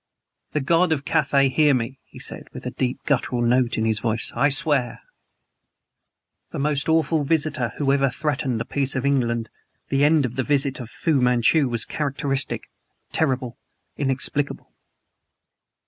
"The God of Cathay hear me," he said, with a deep, guttural note in his voice "I swear " The most awful visitor who ever threatened the peace of England, the end of the visit of Fu Manchu was characteristic terrible inexplicable.